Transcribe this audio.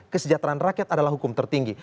kesejahteraan rakyat adalah hukum tertinggi